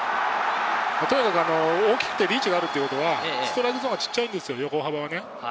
とにかく大きくてリーチがあるということはストライクゾーンが小さいんですよ、横幅はね。